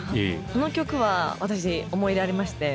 この曲は私思い出ありまして。